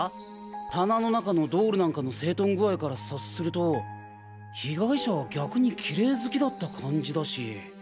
棚の中の人形なんかの整頓具合から察すると被害者は逆にキレイ好きだった感じだし。